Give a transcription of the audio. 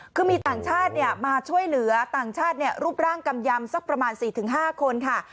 คือมีต่างชาติมาช่วยเหลือต่างชาติรูปร่างกำยำสักประมาณ๔๕คนค่ะ